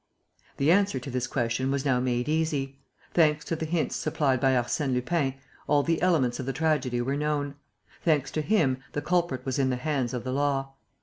The answer to this question was now made easy. Thanks to the hints supplied by Arsène Lupin, all the elements of the tragedy were known. Thanks to him, the culprit was in the hands of the law.